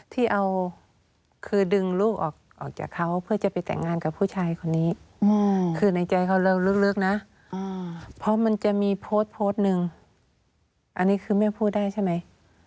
ที่เอาคือดึงลูกออกจากเขาเพื่อจะไปแต่งงานกับผู้ชายคนนี้คือในใจเขาเราลึกนะเพราะมันจะมีโพสต์โพสต์หนึ่งอันนี้คือแม่พูดได้ใช่ไหม